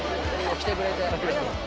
来てくれて。